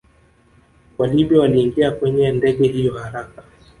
WaLibya waliingia kwenye ndege hiyo haraka